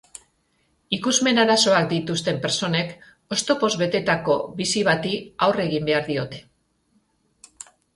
Ikusmen arazoak dituzten pertsonek oztopoz betetako bizi bati aurre egin behar diote.